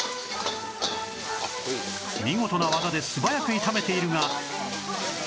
見事な技で素早く炒めているが